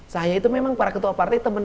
saya itu memang para ketua partai